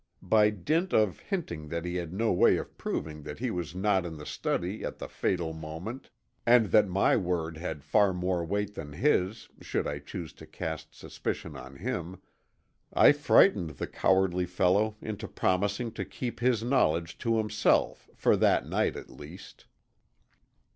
By dint of hinting that he had no way of proving that he was not in the study at the fatal moment and that my word had far more weight than his, should I choose to cast suspicion upon him, I frightened the cowardly fellow into promising to keep his knowledge to himself for that night at least.